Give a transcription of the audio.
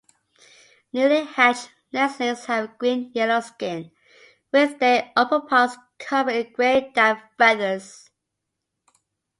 Newly hatched nestlings have green-yellow skin, with their upperparts covered in gray down feathers.